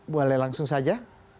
boleh langsung saja